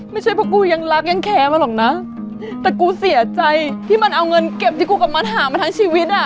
ไม่ใช่เพราะกูยังรักยังแคร์มันหรอกนะแต่กูเสียใจที่มันเอาเงินเก็บที่กูกับมันหามาทั้งชีวิตอ่ะ